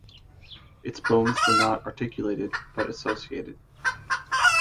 Its bones were not articulated but associated.